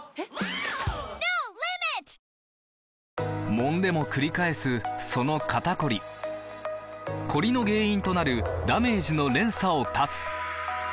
もんでもくり返すその肩こりコリの原因となるダメージの連鎖を断つ！